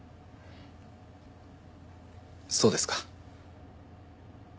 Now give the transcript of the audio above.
そうですか。